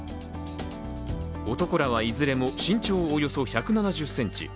男らはいずれも身長およそ１７０ｃｍ。